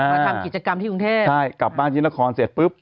มาทำกิจกรรมที่กรุงเทพใช่กลับบ้านที่นครเสร็จปุ๊บ